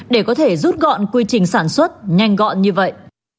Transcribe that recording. để có thể rút gọn quy trình sản xuất nhanh gọn như vậy